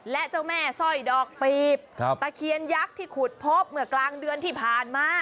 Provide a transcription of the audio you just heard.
และเจ้าแม่สร้อยดอกปีบตะเคียนยักษ์ที่ขุดพบเมื่อกลางเดือนที่ผ่านมา